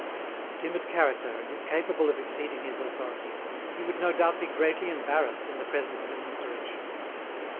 Of timid character and incapable of exceeding his authority, he would no doubt be greatly embarrassed in the presence of an insurrection.